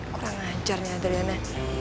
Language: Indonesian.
kurang ajar nih adriana